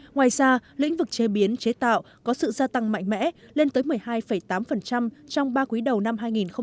ngoài ra lĩnh vực chế biến chế tạo có sự gia tăng mạnh mẽ lên tới một mươi hai tám trong ba quý đầu năm hai nghìn hai mươi